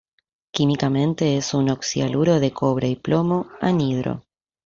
Químicamente es un oxi-haluro de cobre y plomo, anhidro.